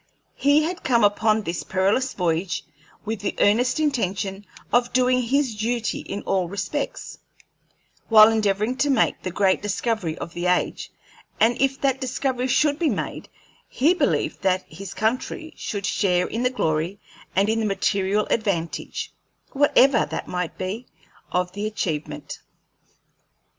He had come upon this perilous voyage with the earnest intention of doing his duty in all respects, while endeavoring to make the great discovery of the age; and if that discovery should be made, he believed that his country should share in the glory and in the material advantage, whatever that might be, of the achievement.